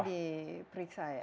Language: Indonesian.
terjadi periksa ya